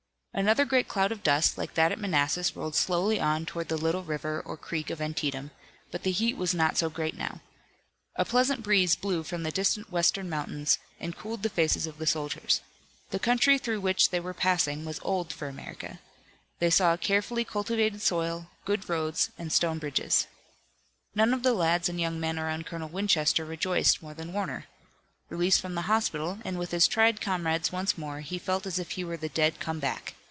Another great cloud of dust like that at Manassas rolled slowly on toward the little river or creek of Antietam, but the heat was not so great now. A pleasant breeze blew from the distant western mountains and cooled the faces of the soldiers. The country through which they were passing was old for America. They saw a carefully cultivated soil, good roads and stone bridges. None of the lads and young men around Colonel Winchester rejoiced more than Warner. Released from the hospital and with his tried comrades once more he felt as if he were the dead come back.